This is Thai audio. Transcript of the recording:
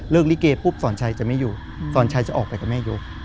ลิเกปุ๊บสอนชัยจะไม่อยู่สอนชัยจะออกไปกับแม่ยก